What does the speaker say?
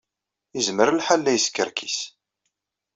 Yezmer lḥal la yeskerkis.